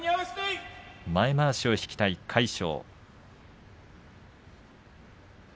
前まわしを引きたい魁勝。